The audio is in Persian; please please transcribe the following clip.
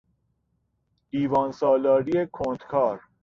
دیوان سالاری کندکار